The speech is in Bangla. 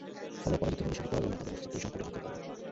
ফলে পরাজিত হলে শুধু পরাজয় নয়, তাদের অস্তিত্বই সংকটের মুখে পড়ে।